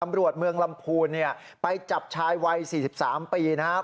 ตำรวจเมืองลำภูนิไปจับชายวัย๔๓ปีนะครับ